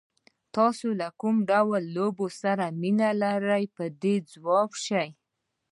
تاسو له کوم ډول لوبو سره مینه لرئ باید ځواب شي.